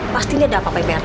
pastinya ada apa apa yang prt